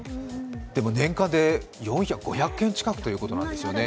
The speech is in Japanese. でも年間で５００件近くということなんですよね。